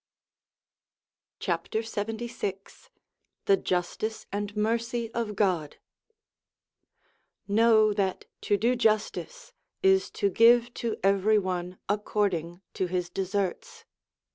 303 LXXVI THE JUSTICE AND MERCY OF GOD KNOW that to do justice is to give to every one according to his deserts.